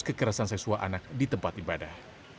kekerasan seksual anak di tempat ibadah